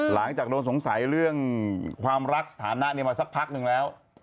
หลังจากโดนสงสัยเรื่องความรักสถานะมาสักพักนึงแล้ว